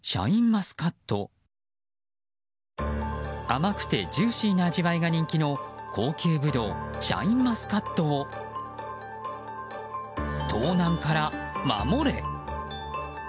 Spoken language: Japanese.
甘くてジューシーな味わいが人気の高級ブドウシャインマスカットを盗難から守れ！